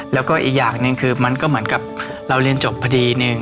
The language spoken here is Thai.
แล้วก็อีกอย่างหนึ่งคือมันก็เหมือนกับเราเรียนจบพอดีนึง